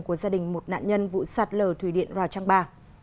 của gia đình một nạn nhân vụ sạt lờ thủy điện rò trang ba